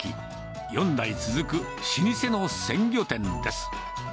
４代続く老舗の鮮魚店です。